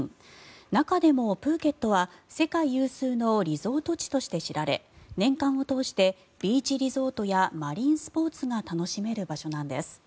中でもプーケットは世界有数のリゾート地として知られ年間を通してビーチリゾートやマリンスポーツが楽しめる場所なんです。